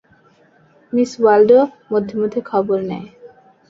Miss Waldo মধ্যে মধ্যে খবর নেয়।